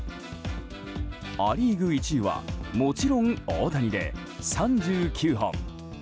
ア・リーグ１位はもちろん大谷で３９本。